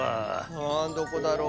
あどこだろう？